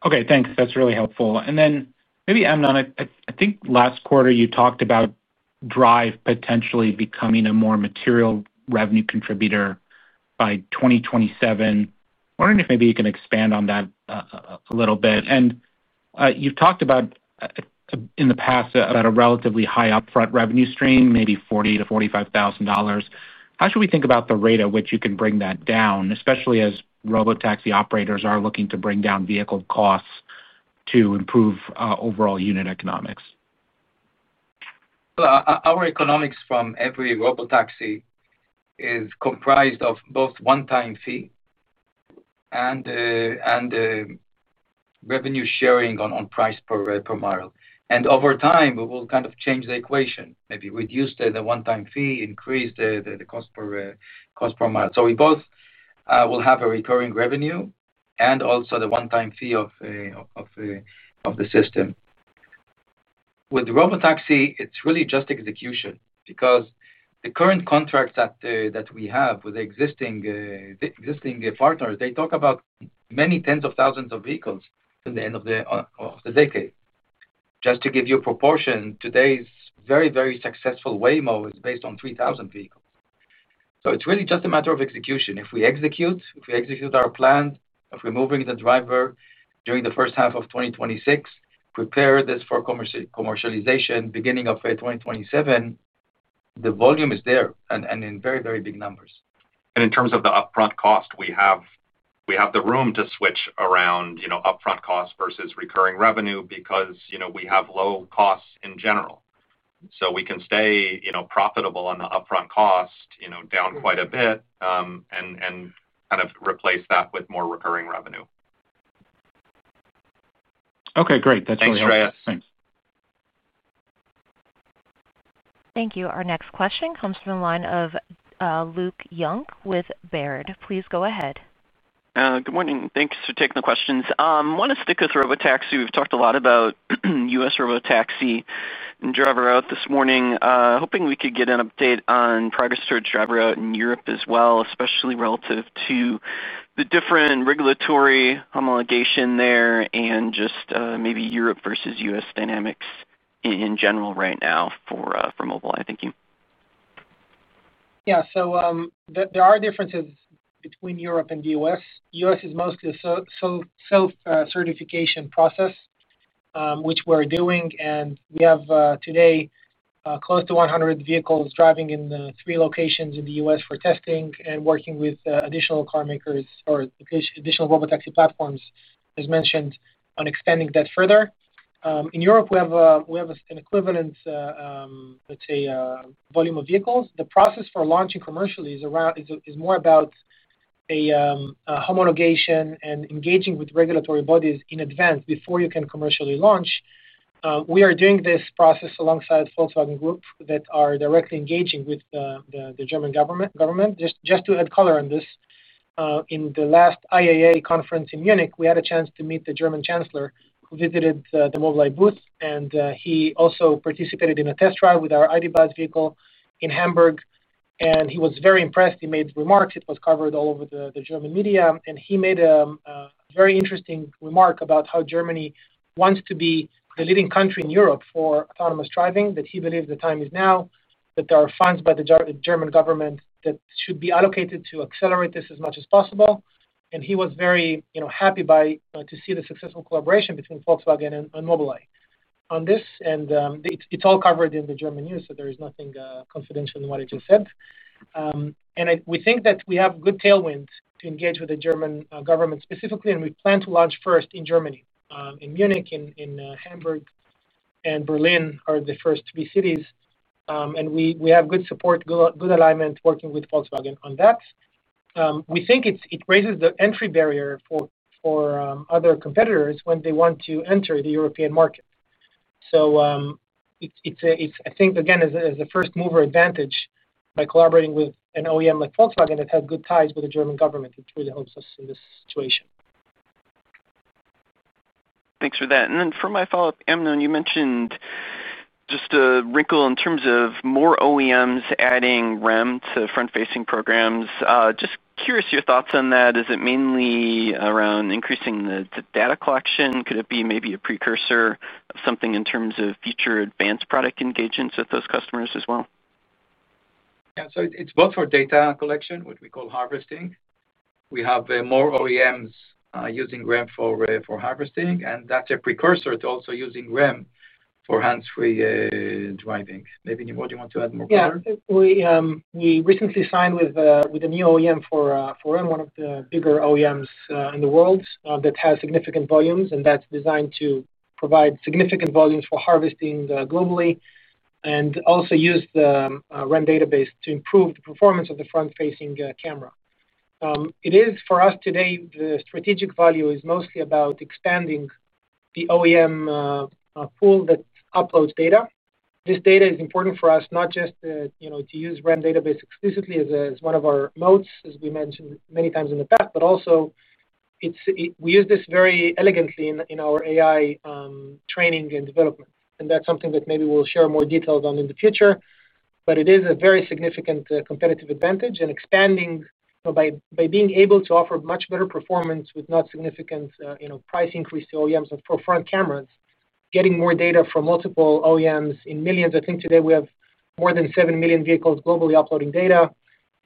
Okay, thanks. That's really helpful. Maybe, Amnon, I think last quarter you talked about Drive potentially becoming a more material revenue contributor by 2027. I'm wondering if you can expand on that a little bit. You've talked in the past about a relatively high upfront revenue stream, maybe $40,000-$45,000. How should we think about the rate at which you can bring that down, especially as robotaxi operators are looking to bring down vehicle costs to improve overall unit economics? Our economics from every robotaxi is comprised of both a one-time fee and revenue sharing on price per mile. Over time, we will kind of change the equation, maybe reduce the one-time fee, increase the cost per mile. We will have recurring revenue and also the one-time fee of the system. With robotaxi, it's really just execution because the current contracts that we have with the existing partners talk about many tens of thousands of vehicles at the end of the decade. To give you a proportion, today's very, very successful Waymo is based on 3,000 vehicles. It is really just a matter of execution. If we execute, if we execute our plan of removing the driver during the first half of 2026 and prepare this for commercialization at the beginning of 2027, the volume is there and in very, very big numbers. In terms of the upfront cost, we have the room to switch around upfront cost versus recurring revenue because we have low costs in general. We can stay profitable on the upfront cost, down quite a bit, and kind of replace that with more recurring revenue. Okay, great. That's really helpful. Thanks, Shreyas. Thanks. Thank you. Our next question comes from the line of Luke Junk with Baird. Please go ahead. Good morning. Thanks for taking the questions. I want to stick with robotaxi. We've talked a lot about U.S. robotaxi and driver out this morning. Hoping we could get an update on progress towards driver out in Europe as well, especially relative to the different regulatory homologation there, and just maybe Europe versus U.S. dynamics in general right now for Mobileye. Thank you. Yeah, so there are differences between Europe and the U.S. U.S. is mostly a self-certification process, which we're doing. We have today close to 100 vehicles driving in the three locations in the U.S. for testing and working with additional carmakers or additional robotaxi platforms, as mentioned, on extending that further. In Europe, we have an equivalent, let's say, volume of vehicles. The process for launching commercially is more about a homologation and engaging with regulatory bodies in advance before you can commercially launch. We are doing this process alongside Volkswagen Group that are directly engaging with the German government. Just to add color on this, in the last IAA conference in Munich, we had a chance to meet the German Chancellor who visited the Mobileye booth. He also participated in a test drive with our ID. Buzz vehicle in Hamburg. He was very impressed. He made remarks. It was covered all over the German media. He made a very interesting remark about how Germany wants to be the leading country in Europe for autonomous driving, that he believes the time is now, that there are funds by the German government that should be allocated to accelerate this as much as possible. He was very happy to see the successful collaboration between Volkswagen and Mobileye on this. It's all covered in the German news, so there is nothing confidential in what I just said. We think that we have good tailwind to engage with the German government specifically. We plan to launch first in Germany. Munich, Hamburg, and Berlin are the first three cities. We have good support, good alignment working with Volkswagen on that. We think it raises the entry barrier for other competitors when they want to enter the European market. I think, again, as a first mover advantage, by collaborating with an OEM like Volkswagen that has good ties with the German government, it really helps us in this situation. Thanks for that. For my follow-up, Amnon, you mentioned just a wrinkle in terms of more OEMs adding REM to front-facing programs. I'm just curious your thoughts on that. Is it mainly around increasing the data collection? Could it be maybe a precursor of something in terms of future advanced product engagements with those customers as well? Yeah, it's both for data collection, what we call harvesting. We have more OEMs using REM for harvesting, and that's a precursor to also using REM for hands-free driving. Maybe Nimrod, you want to add more color? Yeah, we recently signed with a new OEM for REM, one of the bigger OEMs in the world that has significant volumes. That's designed to provide significant volumes for harvesting globally and also use the REM database to improve the performance of the front-facing camera. It is for us today, the strategic value is mostly about expanding the OEM pool that uploads data. This data is important for us not just to use REM database explicitly as one of our modes, as we mentioned many times in the past, but also we use this very elegantly in our AI training and development. That's something that maybe we'll share more details on in the future. It is a very significant competitive advantage. Expanding by being able to offer much better performance with not significant price increase to OEMs for front cameras, getting more data from multiple OEMs in millions. I think today we have more than 7 million vehicles globally uploading data,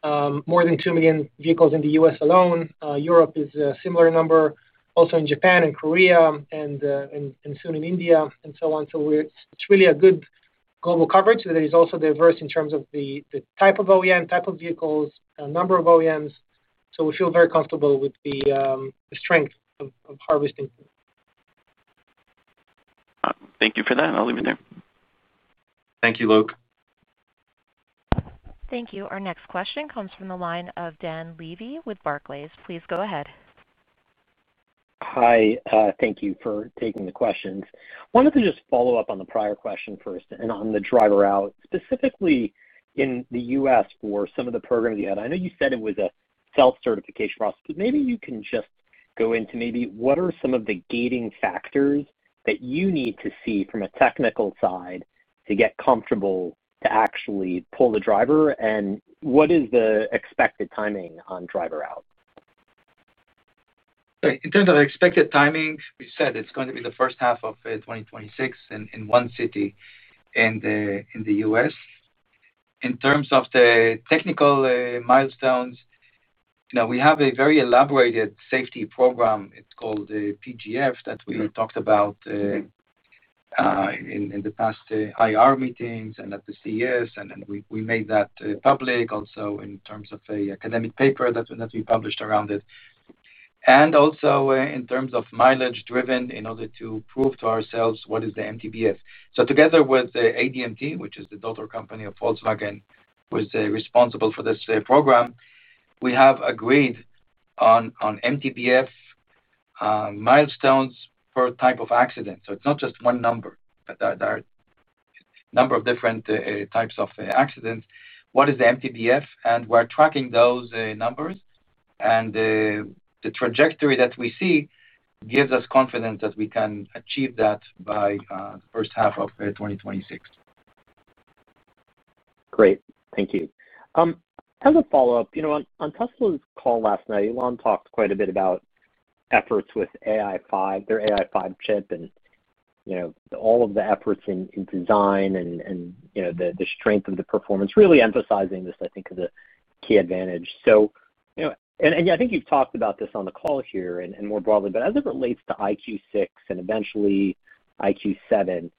more than 2 million vehicles in the U.S. alone. Europe is a similar number, also in Japan and Korea and soon in India and so on. It's really a good global coverage. There is also diverse in terms of the type of OEM, type of vehicles, number of OEMs. We feel very comfortable with the strength of harvesting. Thank you for that. I'll leave it there. Thank you, Luke. Thank you. Our next question comes from the line of Dan Levy with Barclays. Please go ahead. Hi. Thank you for taking the questions. I wanted to just follow up on the prior question first and on the driver out, specifically in the U.S. for some of the programs you had. I know you said it was a self-certification process, but maybe you can just go into maybe what are some of the gating factors that you need to see from a technical side to get comfortable to actually pull the driver? What is the expected timing on driver out? In terms of expected timing, we said it's going to be the first half of 2026 in one city in the U.S. In terms of the technical milestones, we have a very elaborated safety program. It's called the PGF that we talked about in the past IR meetings and at the CES. We made that public also in terms of an academic paper that we published around it. Also, in terms of mileage-driven in order to prove to ourselves what is the MTBF. Together with ADMT, which is the daughter company of Volkswagen, who is responsible for this program, we have agreed on MTBF milestones per type of accident. It's not just one number. There are a number of different types of accidents. What is the MTBF? We're tracking those numbers, and the trajectory that we see gives us confidence that we can achieve that by the first half of 2026. Great. Thank you. As a follow-up, you know on Tesla's call last night, Elon talked quite a bit about efforts with their AI5 chip and you know all of the efforts in design and you know the strength of the performance, really emphasizing this, I think, as a key advantage. I think you've talked about this on the call here and more broadly, but as it relates to EyeQ6 and eventually EyeQ7, can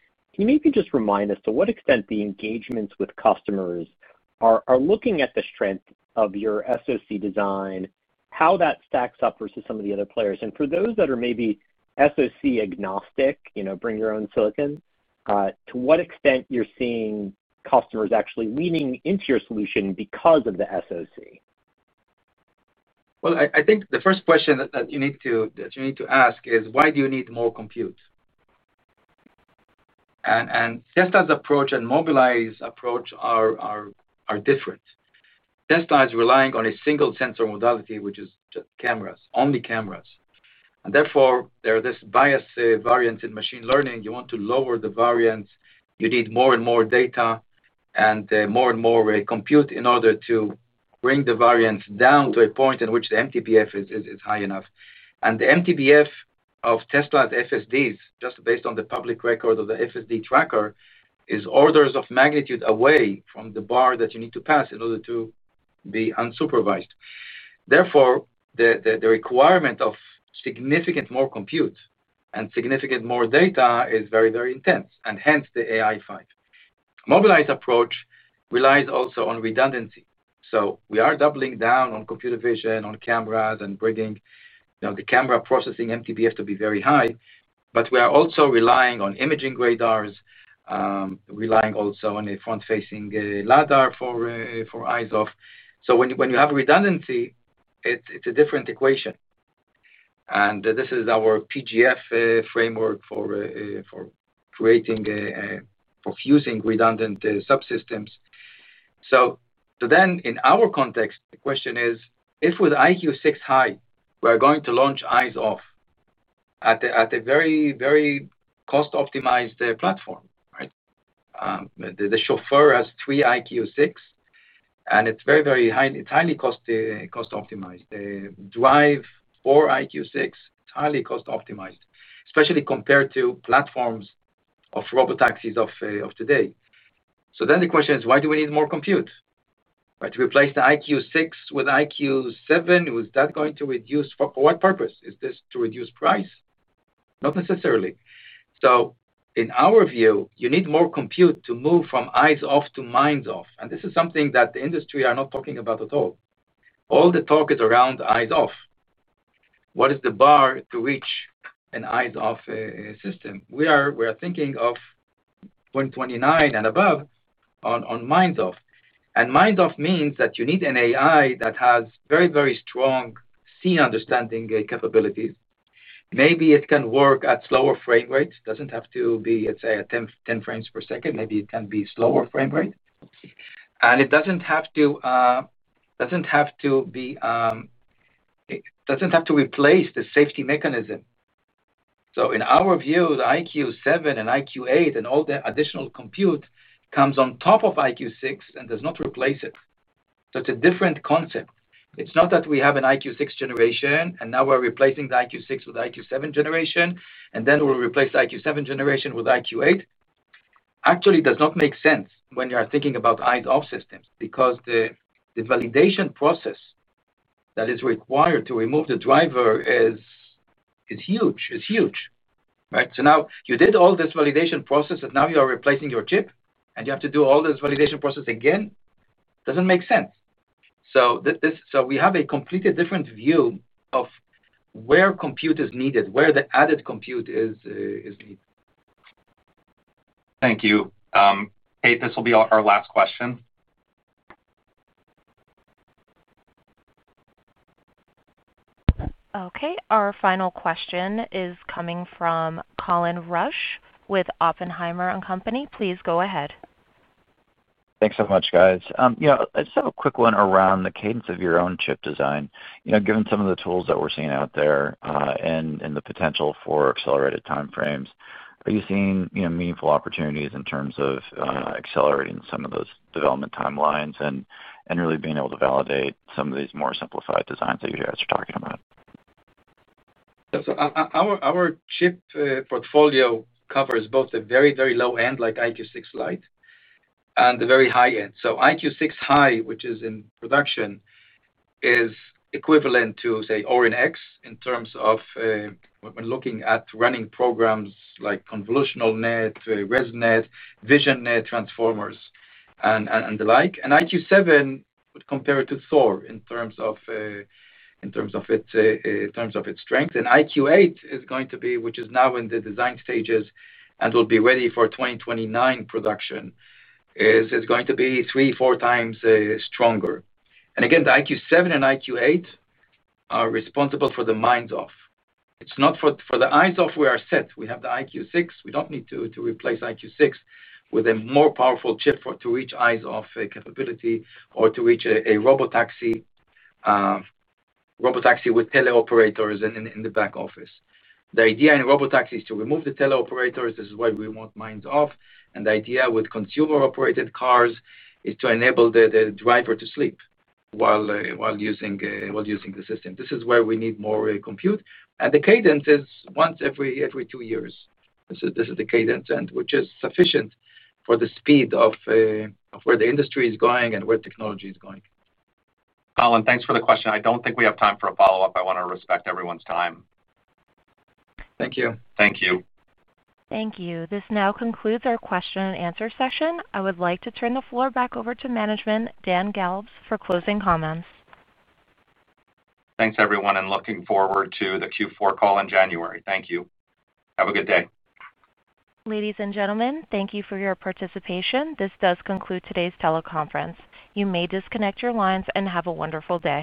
you maybe just remind us to what extent the engagements with customers are looking at the strength of your SoC design, how that stacks up versus some of the other players? For those that are maybe SoC agnostic, you know, bring your own silicon, to what extent you're seeing customers actually leaning into your solution because of the SoC? I think the first question that you need to ask is, why do you need more compute? Tesla's approach and Mobileye's approach are different. Tesla is relying on a single sensor modality, which is just cameras, only cameras. Therefore, there are these bias variants in machine learning. You want to lower the variance. You need more and more data and more and more compute in order to bring the variance down to a point in which the MTBF is high enough. The MTBF of Tesla's FSDs, just based on the public record of the FSD tracker, is orders of magnitude away from the bar that you need to pass in order to be unsupervised. Therefore, the requirement of significant more compute and significant more data is very, very intense, and hence the AI5. Mobileye's approach relies also on redundancy. We are doubling down on computer vision, on cameras, and bringing the camera processing MTBF to be very high. We are also relying on imaging radars, relying also on a front-facing LIDAR for eyes-off. When you have redundancy, it's a different equation. This is our PGF framework for fusing redundant subsystems. In our context, the question is, if with EyeQ6 High, we're going to launch eyes-off at a very, very cost-optimized platform, right? The Chauffeur has three EyeQ6, and it's very, very high. It's highly cost-optimized. The Drive for EyeQ6, it's highly cost-optimized, especially compared to platforms of robotaxis of today. The question is, why do we need more compute? Right? To replace the EyeQ6 with EyeQ7, was that going to reduce for what purpose? Is this to reduce price? Not necessarily. In our view, you need more compute to move from eyes-off to minds-off. This is something that the industry is not talking about at all. All the talk is around eyes-off. What is the bar to reach an eyes-off system? We are thinking of 2029 and above on minds-off. Minds-off means that you need an AI that has very, very strong scene understanding capabilities. Maybe it can work at slower frame rates. It doesn't have to be, let's say, at 10 frames per second. Maybe it can be a slower frame rate. It doesn't have to replace the safety mechanism. In our view, the EyeQ7 and EyeQ8 and all the additional compute comes on top of EyeQ6 and does not replace it. It's a different concept. It's not that we have an EyeQ6 generation and now we're replacing the EyeQ6 with the EyeQ7 generation and then we'll replace the EyeQ7 generation with EyeQ8. Actually, it does not make sense when you're thinking about eyes-off systems because the validation process that is required to remove the driver is huge. It's huge, right? You did all this validation process and now you are replacing your chip and you have to do all this validation process again. It doesn't make sense. We have a completely different view of where compute is needed, where the added compute is needed. Thank you. Kate, this will be our last question. Okay. Our final question is coming from Colin Rusch with Oppenheimer and Company. Please go ahead. Thanks so much, guys. I just have a quick one around the cadence of your own chip design. Given some of the tools that we're seeing out there and the potential for accelerated timeframes, are you seeing meaningful opportunities in terms of accelerating some of those development timelines and really being able to validate some of these more simplified designs that you guys are talking about? Our chip portfolio covers both the very, very low end, like EyeQ6 Lite, and the very high end. EyeQ6 High, which is in production, is equivalent to, say, Orin-X in terms of when looking at running programs like convolutional net, res net, vision net transformers, and the like. EyeQ7 would compare it to Thor in terms of its strength. EyeQ8, which is now in the design stages and will be ready for 2029 production, is going to be 3x, 4x stronger. The EyeQ7 and EyeQ8 are responsible for the minds-off. It's not for the eyes-off we are set. We have the EyeQ6. We don't need to replace EyeQ6 with a more powerful chip to reach eyes-off capability or to reach a robotaxi with teleoperators in the back office. The idea in robotaxi is to remove the teleoperators. This is why we want minds-off. The idea with consumer-operated cars is to enable the driver to sleep while using the system. This is where we need more compute. The cadence is once every two years. This is the cadence, which is sufficient for the speed of where the industry is going and where technology is going. Colin, thanks for the question. I don't think we have time for a follow-up. I want to respect everyone's time. Thank you. Thank you. Thank you. This now concludes our question and answer session. I would like to turn the floor back over to management, Dan Galves, for closing comments. Thanks, everyone, and looking forward to the Q4 call in January. Thank you. Have a good day. Ladies and gentlemen, thank you for your participation. This does conclude today's teleconference. You may disconnect your lines and have a wonderful day.